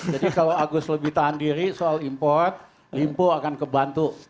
jadi kalau agus lebih tahan diri soal import limpo akan kebantu